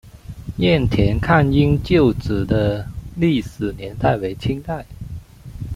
雁田抗英旧址的历史年代为清代。